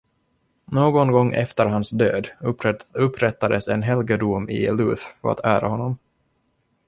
Någon gång efter hans död, upprättades en helgedom i Louth för att ära honom.